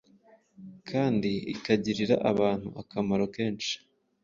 kandi ikagirira abantu akamaro kenshi.